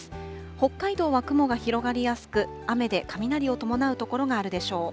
北海道は雲が広がりやすく、雨で雷を伴う所があるでしょう。